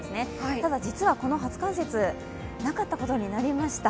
ただ実はこの初冠雪、なかったことになりました。